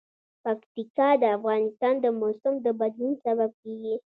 پکتیکا د افغانستان د موسم د بدلون سبب کېږي.